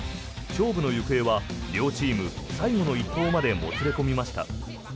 勝負の行方は両チーム最後の１投までもつれ込みました。